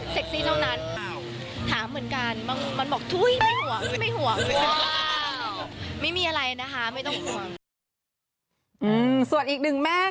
ซีซี่เท่านั้น